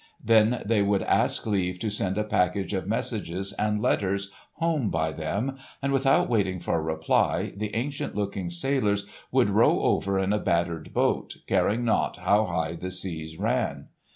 Then they would ask leave to send a package of messages and letters home by them; and without waiting for reply, the ancient looking sailors would row over in a battered boat, caring naught how high the seas ran.